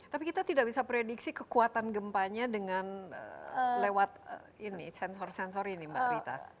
tapi kita tidak bisa prediksi kekuatan gempanya dengan lewat ini sensor sensor ini mbak rita